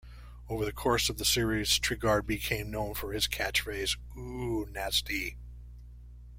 Over the course of the series Treguard became known for his catchphrase Ooh, nasty!